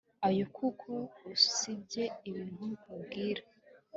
Oya kuko usibye ibintu nkubwira